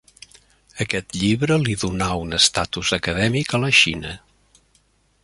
Aquest llibre li donà un estatus acadèmic a la Xina.